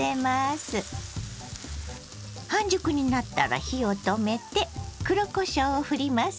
半熟になったら火を止めて黒こしょうをふります。